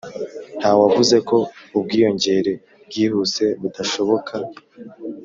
nta wavuga ko ubwiyongere bwihuse budashoboka,